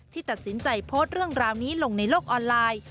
ตัดสินใจโพสต์เรื่องราวนี้ลงในโลกออนไลน์